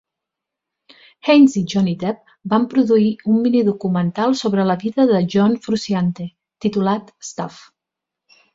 Haynes i Johnny Depp van produir un minidocumental sobre la vida de John Frusciante titulat Stuff.